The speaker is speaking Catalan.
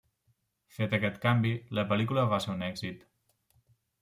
Fet aquest canvi, la pel·lícula va ser un èxit.